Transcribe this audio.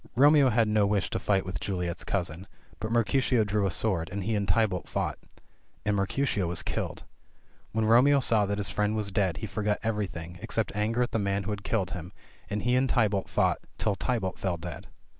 Romeo had no wish to fight with Juliet's cousin, but Mercutio drew a sword, and he and Tybalt fought. And Mercutio was killed. When Romeo saw that his friend was dead he forgot everything, except anger at the man who had killed him, and he and Tybalt fought, till Tybalt fell dead.